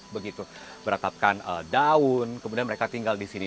begitu beratapkan daun kemudian mereka tinggal di sini